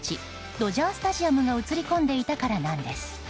ドジャースタジアムが写り込んでいたからです。